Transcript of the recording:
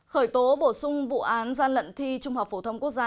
khởi tố bổ sung vụ án gian lận thi trung học phổ thông quốc gia